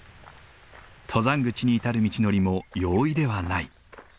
登山口に至る道のりも容易ではない。